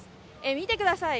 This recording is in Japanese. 見てください。